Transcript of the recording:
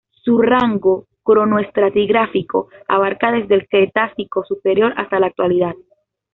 Su rango cronoestratigráfico abarca desde el Cretácico superior hasta la Actualidad.